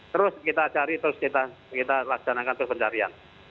terus kita cari terus kita laksanakan terus pencarian